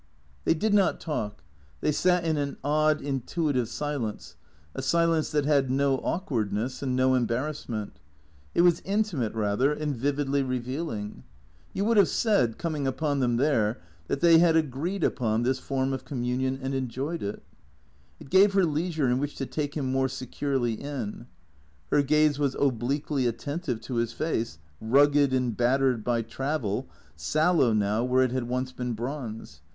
They did not talk. They sat in an odd, intuitive silence, a silence that had no awkwardness and no embarrassment. It was intimate, rather, and vividly revealing. You would have said, coming upon them there, that they had agreed upon this form of communion and enjoyed it. It gave her leisure in which to take him more securely in. Her gaze was obliquely attentive to his face, rugged and battered by travel, sallow now, where it had once been bronze.